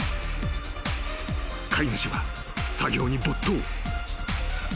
［飼い主は作業に没頭］